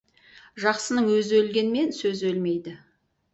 Жақсының өзі өлгенмен, сөзі өлмейді.